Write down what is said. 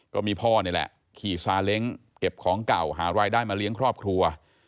ก็มีพ่อนี่แหละขี่ซาเล้งเก็บของเก่าหารายได้มาเลี้ยงครอบครัว